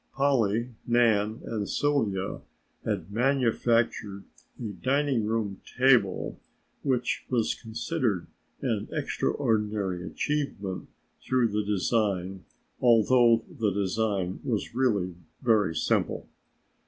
Polly, Nan and Sylvia had manufactured a dining room table which was considered an extraordinary achievement although the design was really very simple.